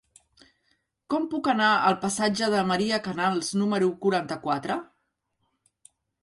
Com puc anar al passatge de Maria Canals número quaranta-quatre?